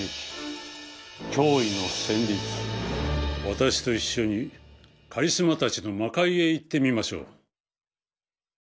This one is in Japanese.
私と一緒にカリスマたちの魔界へ行ってみましょう。